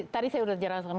tadi saya sudah jelaskan